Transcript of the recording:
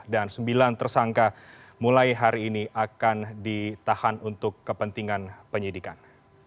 dan sembilan tersangka mulai hari ini akan ditahan untuk kepentingan penyidikan